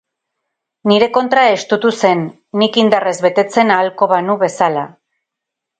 Nire kontra estutu zen, nik indarrez betetzen ahalko banu bezala.